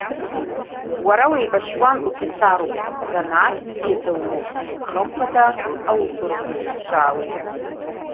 Уара уеибашьуан, уфицаруп, азанааҭ бзиаӡа умоуп, хымԥада аусура узысԥшаауеит!